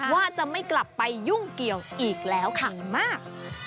ว่าจะไม่กลับไปยุ่งเกี่ยวอีกแล้วค่ะมาก